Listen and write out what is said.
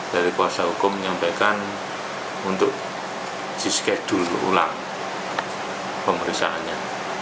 dari kuasa hukum menyampaikan untuk di schedule ulang pemeriksaannya